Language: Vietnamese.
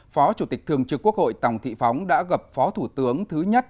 phó chủ tịch thường trực quốc hội tòng thị phóng đã gặp phó thủ tướng thứ nhất